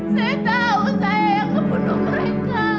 saya tahu saya yang membunuh mereka